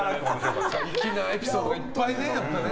粋なエピソードがいっぱいね。